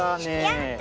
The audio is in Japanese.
やった！